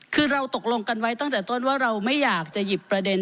คือเราตกลงกันไว้ตั้งแต่ต้นว่าเราไม่อยากจะหยิบประเด็น